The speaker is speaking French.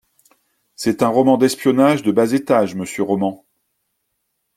C’est un roman d’espionnage de bas étage, monsieur Roman.